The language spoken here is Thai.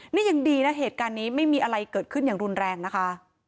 นี่ยังดีนะเหตุการณ์นี้ไม่มีอะไรเกิดขึ้นอย่างรุนแรงนะคะ